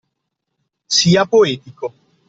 Sia poetico